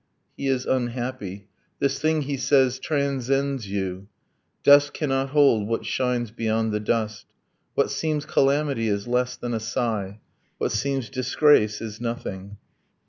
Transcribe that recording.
'He is unhappy. This thing, he says, transcends you: Dust cannot hold what shines beyond the dust ... What seems calamity is less than a sigh; What seems disgrace is nothing.'